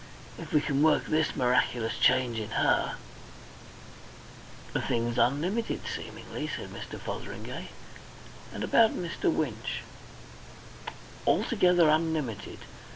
If we can work this miraculous change in her..." "The thing's unlimited seemingly," said Mr. Fotheringay. "And about Mr. Winch " "Altogether unlimited."